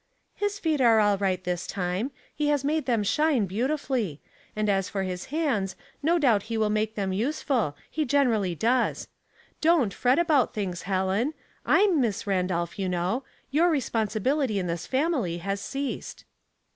" His feet are all right this time. He has made them shine beautifully ; and as for his hands, no doubt he will make them useful — he generally does. Dont fret about things, Helen. Tm Miss Randolph, you know ; your responsi bility in this family has ceased."